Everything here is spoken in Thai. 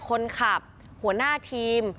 คนขับหัวหน้าทีม